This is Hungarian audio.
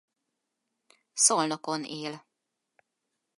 Szolnokon él.